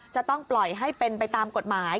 จะต้องปล่อยให้เป็นไปตามกฎหมาย